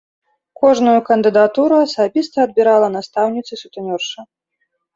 Кожную кандыдатуру асабіста адбірала настаўніца-сутэнёрша.